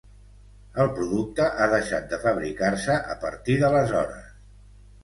El producte ha deixat de fabricar-se a partir d'aleshores.